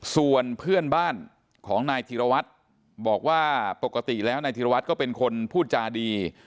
ส่วนเพื่อนบ้านของนายธีรวัตรบอกว่าปกติแล้วนายธิรวัตรก็เป็นคนพูดจาดี